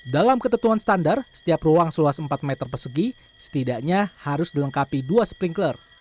dalam ketentuan standar setiap ruang seluas empat meter persegi setidaknya harus dilengkapi dua sprinkler